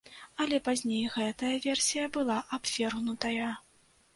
Але пазней гэтая версія была абвергнутая.